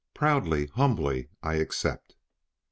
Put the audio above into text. Proudly humbly I accept!"